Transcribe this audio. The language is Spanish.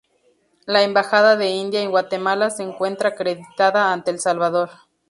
La Embajada de India en Guatemala se encuentra acreditada ante El Salvador.